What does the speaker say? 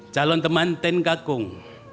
calon teman tenkakung